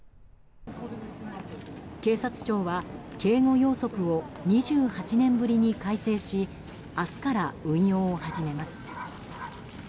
警察庁は警護要則を２８年ぶりに改正し明日から運用を始めます。